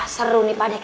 seru nih pak dek